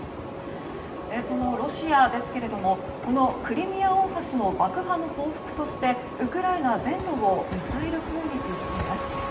そのロシアですけれどもこのクリミア大橋の爆破の報復としてウクライナ全土をミサイル攻撃しています。